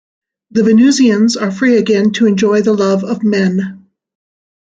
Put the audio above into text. The Venusians are free again to enjoy the love of men.